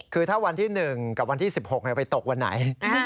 คือถ้าวันที่หนึ่งกับวันที่สิบหกมันจะไปตกวันไหน